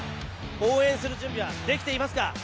応援する準備はできていますか。